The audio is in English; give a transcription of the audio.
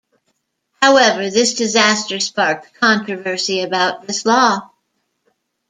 However, this disaster sparked controversy about this law.